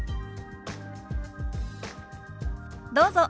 どうぞ。